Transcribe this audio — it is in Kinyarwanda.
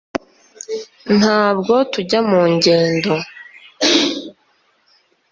ntabwo tujya mu ngendo